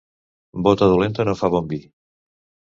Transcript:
Bota dolenta no fa bon vi.